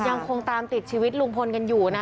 ยังคงตามติดชีวิตลุงพลกันอยู่นะ